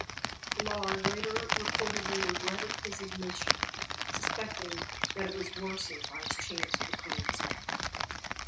Pollard later reportedly regretted his admission, suspecting that it worsened his chances for clemency.